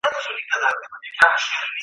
ته مور، وطن او د دنيا ښكلا ته شعر ليكې